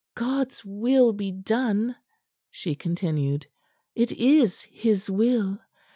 "God's will be done!" she continued. "It is His will.